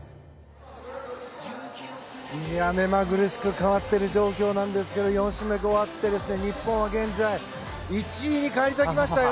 目まぐるしく変わっている状況なんですけど４種目終わって、日本は現在１位に返り咲きましたよ。